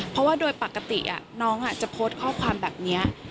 เพราะว่าโดยปกติน้องจะโพสต์ข้อความแบบนี้